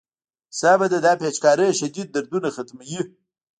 سمه ده دا پيچکارۍ شديد دردونه ختموي.